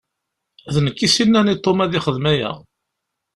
D nekk i s-yennan i Tom ad yexdem aya.